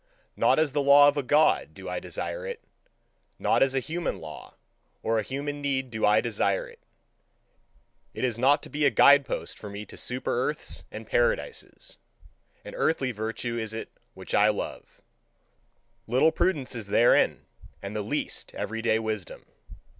Not as the law of a God do I desire it, not as a human law or a human need do I desire it; it is not to be a guide post for me to superearths and paradises. An earthly virtue is it which I love: little prudence is therein, and the least everyday wisdom.